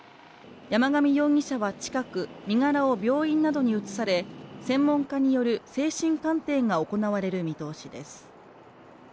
山上容疑者は近く身柄を病院などに映され専門家による精神鑑定が行われる見通しです。